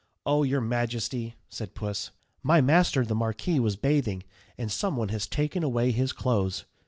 ] "Oh, your majesty," said Puss, "my master the marquis was bathing, and some one has taken away his clothes.